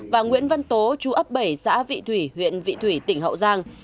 và nguyễn văn tố chú ấp bảy xã vị thủy huyện vị thủy tỉnh hậu giang